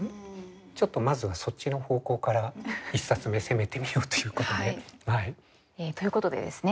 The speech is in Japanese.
まずはそっちの方向から１冊目攻めてみようということで。ということでですね